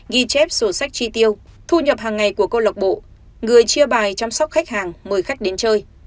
ghi chép sổ sách chi tiêu thu nhập hàng ngày của câu lạc bộ người chia bài chăm sóc khách hàng mời khách đến chơi